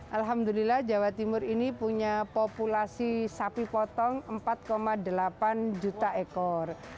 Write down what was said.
alhamdulillah jawa timur ini punya populasi sapi potong empat delapan juta ekor